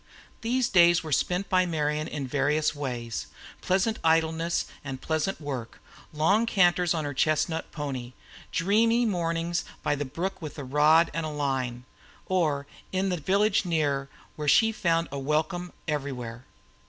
These days were spent by Marian in various ways pleasant idleness and pleasant work, long canters on her chestnut pony, dreamy mornings by the brook with rod and line, or in the village near, where she found a welcome everywhere.